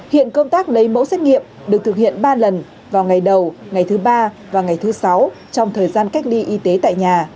hiện công tác lấy mẫu xét nghiệm được thực hiện ba lần vào ngày đầu ngày thứ ba và ngày thứ sáu trong thời gian cách ly y tế tại nhà